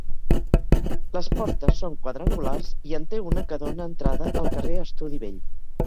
Les portes són quadrangulars i en té una que dóna entrada al carrer Estudi Vell.